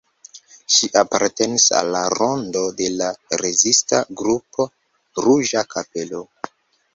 Ŝi apartenis al la rondo de la rezista grupo "Ruĝa Kapelo".